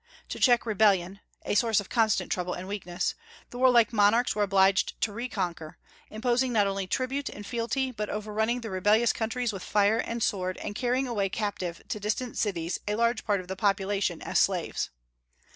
To check rebellion, a source of constant trouble and weakness, the warlike monarchs were obliged to reconquer, imposing not only tribute and fealty, but overrunning the rebellious countries with fire and sword, and carrying away captive to distant cities a large part of the population as slaves.